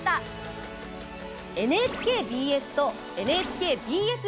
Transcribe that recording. ＮＨＫＢＳとＮＨＫＢＳ